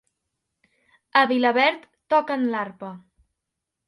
A Vilaverd toquen l'arpa.